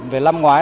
về năm ngoái